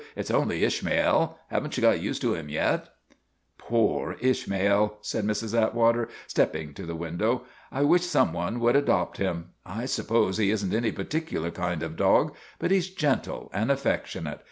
" It 's only Ishmael. Have n't you got used to him yet ?'" Poor Ishmael !' said Mrs. Atwater, stepping to the window. ' I wish some one would adopt him. I suppose he is n't any particular kind of dog; but he 's gentle and affectionate.